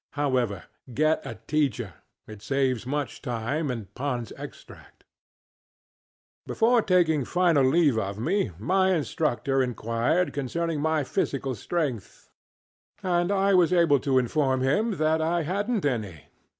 However, get a teacher; it saves much time and PondŌĆÖs Extract. Before taking final leave of me, my instructor inquired concerning my physical strength, and I was able to inform him that I hadnŌĆÖt any.